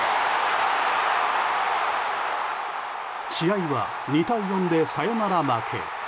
試合は２対４でサヨナラ負け。